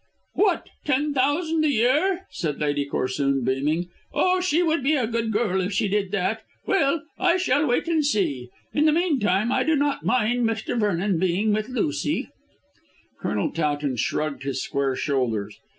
"What, ten thousand a year?" said Lady Corsoon beaming. "Oh, she would be a good girl if she did that. Well, I shall wait and see. In the meantime I do not mind Mr. Vernon being with Lucy." Colonel Towton shrugged his square shoulders.